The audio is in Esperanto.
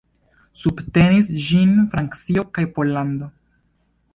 Subtenis ĝin Francio kaj Pollando.